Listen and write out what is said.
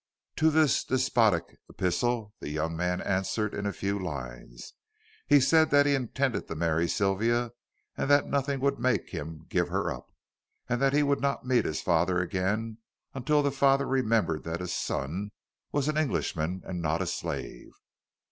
To this despotic epistle the young man answered in a few lines. He said that he intended to marry Sylvia, and that nothing would make him give her up, and that he would not meet his father again until that father remembered that his son was an Englishman and not a slave.